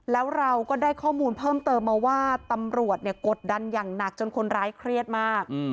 แล้วเราก็ได้ข้อมูลเพิ่มเติมมาว่าตำรวจกดดันอย่างหนักจนคนร้ายเครียดมาก